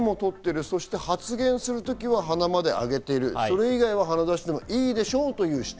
発言する時は鼻まで上げている、それまでは鼻を出していてもいいでしょうという主張。